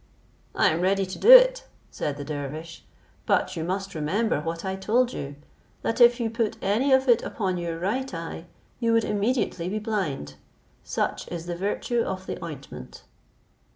"I am ready to do it," said the dervish; "but you must remember what I told you, that if you put any of it upon your right eye, you would immediately be blind; such is the virtue of the ointment."